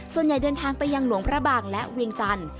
ส่วนใหญ่เดินทางไปยังหลวงพระบางและเวียงจันทร์